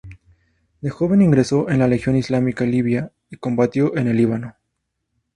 De joven ingresó en la Legión Islámica Libia y combatió en el Líbano.